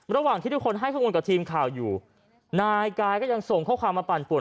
ระหว่างที่ทุกคนให้ข้อมูลกับทีมข่าวอยู่นายกายก็ยังส่งข้อความมาปั่นป่วน